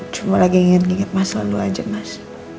cuma lagi inget inget masa lalu aja mas